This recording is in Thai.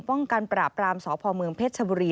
ป้องกันปราบกรามสพเผ็ดชบุรี